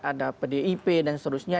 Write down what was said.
ada pdip dan seterusnya